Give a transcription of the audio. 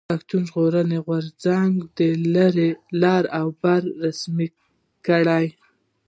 پښتون ژغورني غورځنګ د لر او بر تړون رسمي کړ.